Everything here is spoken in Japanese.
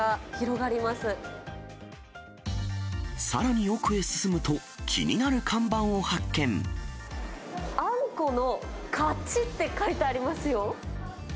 さらに奥へ進むと、気になるあんこの勝ちって書いてありますよ。